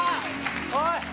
おい。